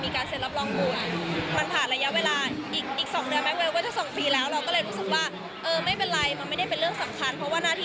ก็เลยรู้สึกว่าไม่เป็นไรไม่ได้เป็นเรื่องสำคัญ